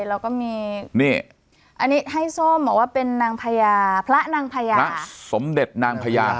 แล้วก็มีนี่อันนี้ให้ส้มบอกว่าเป็นนางพญาพระนางพญาสมเด็จนางพญา